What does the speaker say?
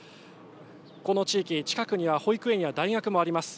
この地域、近くには保育園や大学もあります。